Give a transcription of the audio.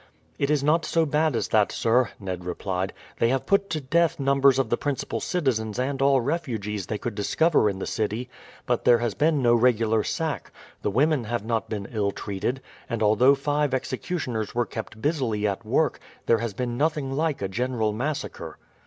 "It is not so bad as that, sir," Ned replied. "They have put to death numbers of the principal citizens and all refugees they could discover in the city, but there has been no regular sack. The women have not been ill treated, and although five executioners were kept busily at work there has been nothing like a general massacre."